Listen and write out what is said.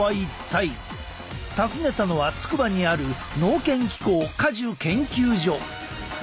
訪ねたのは筑波にある農研機構果樹研究所。